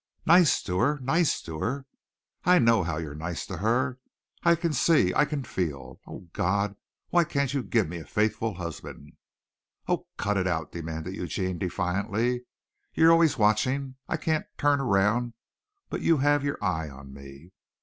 "Nice to her? Nice to her? I know how you're nice to her. I can see! I can feel! Oh, God! Why can't you give me a faithful husband!" "Oh, cut it out!" demanded Eugene defiantly. "You're always watching. I can't turn around but you have your eye on me.